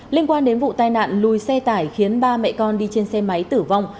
liên quan đến vụ tai nạn lùi xe tải khiến ba mẹ con đi trên xe máy tử vong